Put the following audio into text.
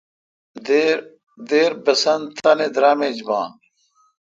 دیر بسن تان درام ایچ با۔